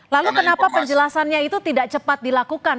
lalu kenapa penjelasannya itu tidak cepat dilakukan